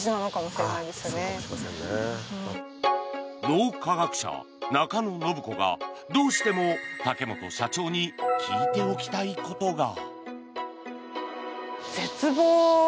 脳科学者・中野信子がどうしても竹本社長に聞いておきたいことが。